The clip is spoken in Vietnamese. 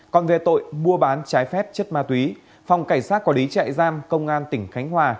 còn về tội mua bán trái phép chất ma túy phòng cảnh sát quả đí chạy giam công an tỉnh khánh hòa